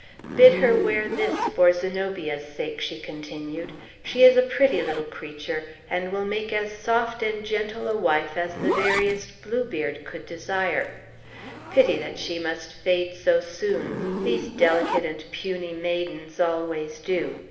"Bid her wear this for Zenobia's sake," she continued. "She is a pretty little creature, and will make as soft and gentle a wife as the veriest Bluebeard could desire. Pity that she must fade so soon! These delicate and puny maidens always do.